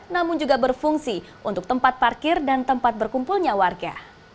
namun juga berfungsi untuk tempat parkir dan tempat berkumpulnya warga